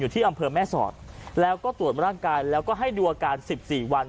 ที่อำเภอแม่สอดแล้วก็ตรวจร่างกายแล้วก็ให้ดูอาการ๑๔วัน